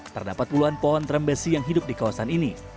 terdapat puluhan pohon trembesi yang hidup di kawasan ini